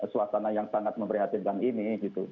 suasana yang sangat memprihatinkan ini